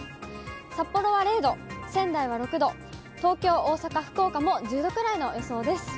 札幌は０度、仙台は６度、東京、大阪、福岡も１０度くらいの予想です。